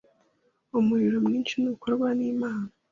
umuriro mwinshi nukorwa nimana